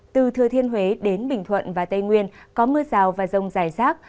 từ thừa thiên huế đến bình thuận và tây nguyên có mưa rào và rông rải rác